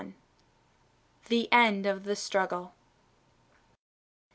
THE END OF THE STRUGGLE.